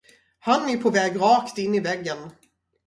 Han är på väg rakt in i väggen.